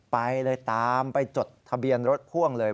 ไปเลยตามไปจดทะเบียนรถพ่วงเลย